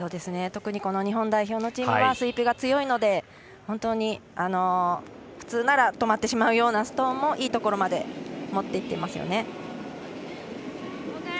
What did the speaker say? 特に日本代表のチームはスイープが強いので本当に、普通なら止まってしまうようなストーンもいいところまで持っていっていますよね。